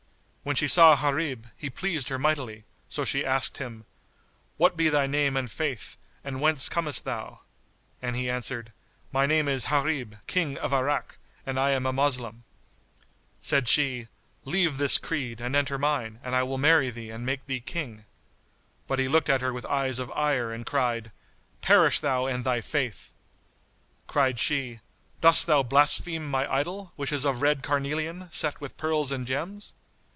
When she saw Gharib, he pleased her mightily; so she asked him, "What be thy name and Faith and whence comest thou?" and he answered, "My name is Gharib King of Irak, and I am a Moslem." Said she, "Leave this Creed and enter mine and I will marry thee and make thee King." But he looked at her with eyes of ire and cried, "Perish thou and thy faith!" Cried she, "Dost thou blaspheme my idol, which is of red carnelian, set with pearls and gems?"